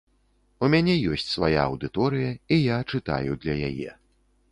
У мяне ёсць свая аўдыторыя, і я чытаю для яе.